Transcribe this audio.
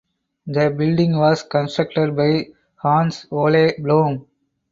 The building was constructed by Hans Ole Blom.